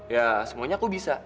ya semuanya aku bisa